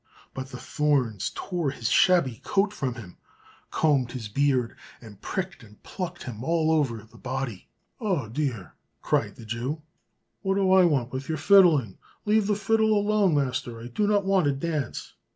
But the thorns tore his shabby coat from him, combed his beard, and pricked and plucked him all over the body. "Oh dear," cried the Jew, "what do I want with your fiddling? Leave the fiddle alone, master; I do not want to dance."